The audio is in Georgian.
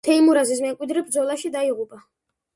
თეიმურაზის მემკვიდრე ბრძოლაში დაიღუპა.